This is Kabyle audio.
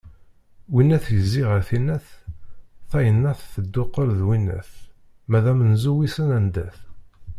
Winnat yezzi ɣer tinnat, tayennat teddukel d winnat, ma d amenzu wisen anda-t.